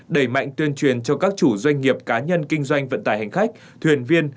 đẩy mạnh tuyên truyền cho các chủ doanh nghiệp cá nhân kinh doanh vận tải hành khách thuyền viên